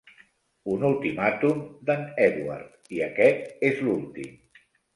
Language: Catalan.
Un ultimàtum d'en Edward i aquest és l'últim!